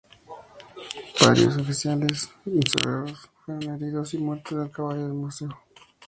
Varios oficiales insurrectos fueron heridos y muerto el caballo de Maceo.